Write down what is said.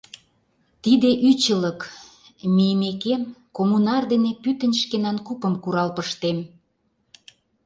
Тиде ӱчылык, мийымекем, «Коммунар» дене пӱтынь шкенан купым курал пыштем...»